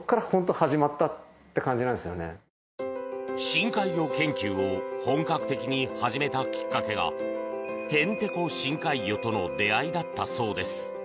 深海魚研究を本格的に始めたきっかけがヘンテコ深海魚との出会いだったそうです。